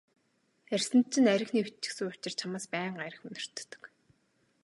Арьсанд чинь архи нэвччихсэн учир чамаас байнга архи үнэртдэг.